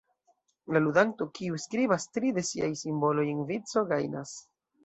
La ludanto, kiu skribas tri de siaj simboloj en vico, gajnas.